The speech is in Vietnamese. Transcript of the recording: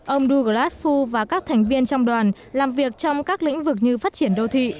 ông douglas fu và các thành viên trong đoàn làm việc trong các lĩnh vực như phát triển đô thị